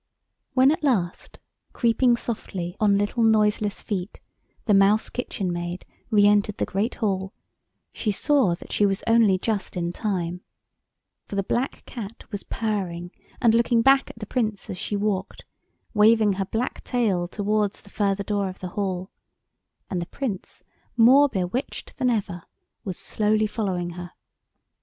When at last, creeping softly on little noiseless feet, the Mouse Kitchen Maid re entered the great hall, she saw that she was only just in time, for the black Cat was purring and looking back at the Prince as she walked, waving her black tail towards the further door of the hall, and the Prince, more bewitched than ever, was slowly following her.